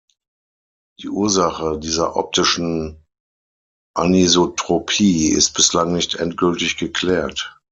Die Ursache dieser optischen Anisotropie ist bislang nicht endgültig geklärt.